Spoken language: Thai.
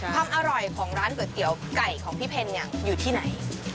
ความอร่อยของร้านก๋วยเตี๋ยวไก่ของพี่เพลอยู่ที่ไหน